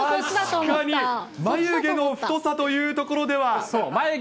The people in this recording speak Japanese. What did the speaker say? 確かに、眉毛の太さというところでは。